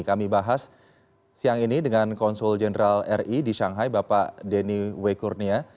kami bahas siang ini dengan konsul jenderal ri di shanghai bapak denny wekurnia